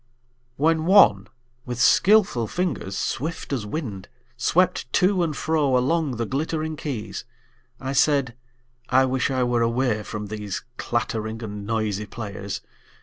WHEN one with skillful fingers swift as wind Swept to and fro along the glittering keys, I said: I wish I were away from these Clattering and noisy players!